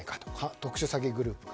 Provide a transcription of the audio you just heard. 特殊詐欺グループが。